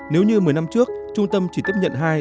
nếu như một mươi năm trước trung tâm chỉ tiếp nhận hai